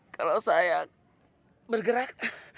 kalau saya bergerak